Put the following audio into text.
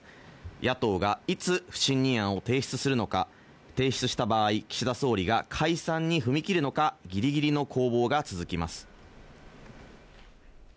野党がいつ不信任案を提出するのか、提出した場合、岸田総理が解散に踏み切るのか、ギリギリの攻防が続きます。